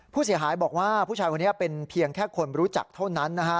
ผู้เสียหายบอกว่าผู้ชายคนนี้เป็นเพียงแค่คนรู้จักเท่านั้นนะฮะ